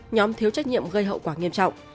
nhóm thiếu trách nhiệm gây hậu quả nghiêm trọng